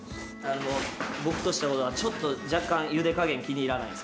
僕としたことがちょっと若干ゆで加減気に入らないんですけど。